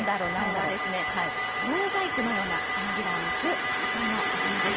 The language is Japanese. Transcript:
きょうはろう細工のような花びらを持つこちらのお花です。